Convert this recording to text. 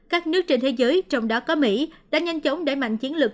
các nước trên thế giới trong đó có mỹ đã nhanh chóng đẩy mạnh chiến lược